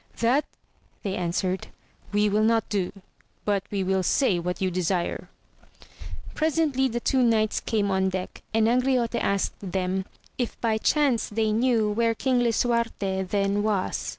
That, they answered, we will not do, but we will say what you desire. Presently the two knights came on deck, and Angriote asked them, if by chance they knew where King Lisuarte then was.